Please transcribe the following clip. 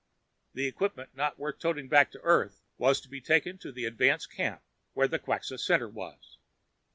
The equipment not worth toting back to Earth was to be taken to the advance camp, where the Quxa center was.